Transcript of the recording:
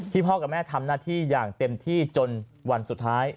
พ่อกับแม่ทำหน้าที่อย่างเต็มที่จนวันสุดท้าย